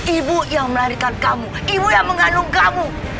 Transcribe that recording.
ibu yang melahirkan kamu ibu yang mengandung kamu